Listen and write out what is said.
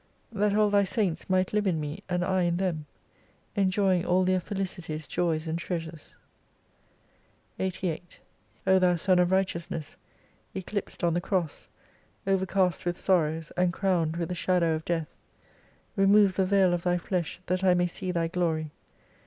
That all Thy Saints might Hve in me, and I in them : enjoying all their felicities, joys, and treasures. 88 O Thou Sun of Righteousness, eclipsed on the Cross, overcast with sorrows, and crowned with the shadow of death, remove the veil of Thy flesh that I may see Thy glory.